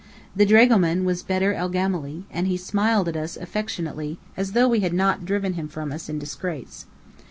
The dragoman was Bedr el Gemály, and he smiled at us as affectionately as though we had not driven him from us in disgrace.